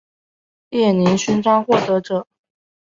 列宁勋章获得者。